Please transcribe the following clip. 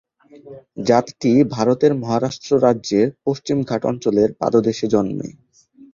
জাতটি ভারতের মহারাষ্ট্র রাজ্যের পশ্চিম ঘাট অঞ্চলের পাদদেশে জন্মে।